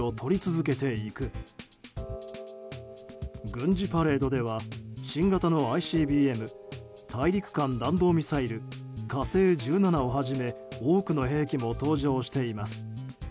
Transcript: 軍事パレードでは、新型のＩＣＢＭ・大陸間弾道ミサイル「火星１７」をはじめ多くの兵器も登場しています。